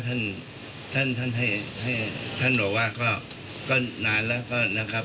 ต้องเท่านอนว่าก็นานแล้วก็นะครับ